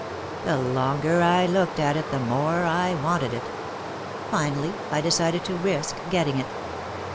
The longer I looked at it the more I wanted it. Finally, I decided to risk getting it.